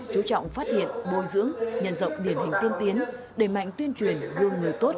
chú trọng phát hiện bồi dưỡng nhận rộng điển hình tiên tiến đề mạnh tuyên truyền đưa người tốt